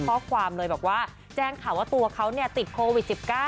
ข้อความเลยบอกว่าแจ้งข่าวว่าตัวเขาติดโควิด๑๙